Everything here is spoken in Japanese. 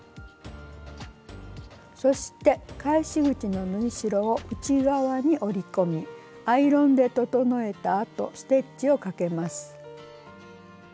そして返し口の縫い代を内側に折り込みアイロンで整えたあとステッチをかけます。